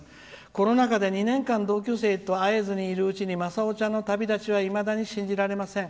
コロナ禍で２年間同級生と会えずにいるうちにまさおちゃんの旅立ちはいまだに信じられません。